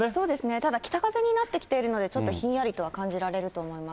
ただ北風になってきているので、ちょっとひんやりとは感じられると思います。